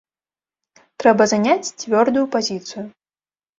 Трэба заняць цвёрдую пазіцыю.